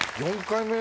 ４回目。